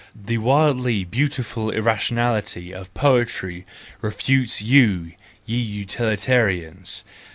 The wildly beautiful irrationality of poetry refutes you, ye utilitarians!